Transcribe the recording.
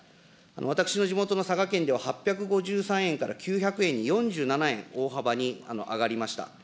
私の地元の佐賀県では、８５３円から９００円に、４７円、大幅に上がりました。